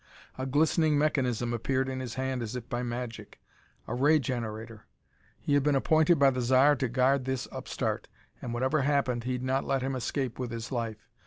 A glistening mechanism appeared in his hand as if by magic. A ray generator! He had been appointed by the Zar to guard this upstart and, whatever happened, he'd not let him escape with his life.